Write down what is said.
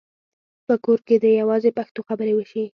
په کور کې دې یوازې پښتو خبرې وشي.